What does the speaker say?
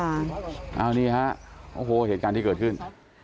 อันนี้ครับโอ้โหเหตุการณ์ที่เกิดขึ้น